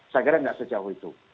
saya kira tidak sejauh itu